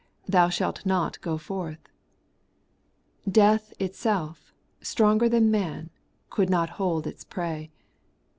Thou shalt not go forth. Death itself, stronger than man, could not hold its prey.